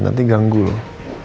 nanti ganggu loh